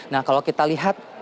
nah kalau kita lihat